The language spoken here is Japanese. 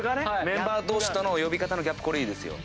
メンバー同士との呼び方のギャップいいですよ。